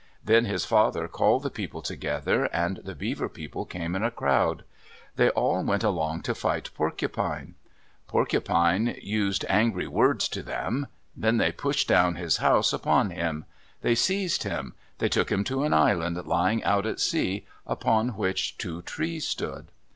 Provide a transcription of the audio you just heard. Then his father called the people together, and the Beaver people came in a crowd. They all went along to fight Porcupine. Porcupine used angry words to them. Then they pushed down his house upon him. They seized him. They took him to an island lying out at sea, upon which two trees stood.